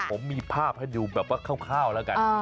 ผมมีภาพให้ดูแบบว่าคร่าวแล้วกัน